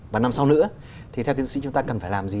và năm sau nữa thì theo tiến sĩ chúng ta cần phải làm gì